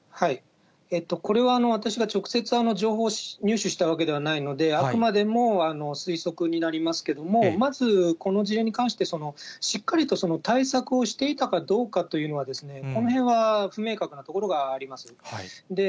これは私が直接情報を入手したわけではないので、あくまでも推測になりますけれども、まず、この事例に関して、しっかりと対策をしていたかどうかというのは、このへんは不明確なところはあります。